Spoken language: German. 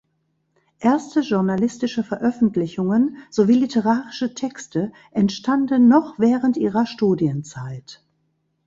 Erste journalistische Veröffentlichungen sowie literarische Texte entstanden noch während ihrer Studienzeit.